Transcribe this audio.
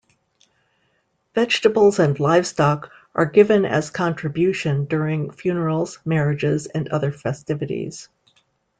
Vegetables and livestock are given as contribution during funerals, marriages and other festivities.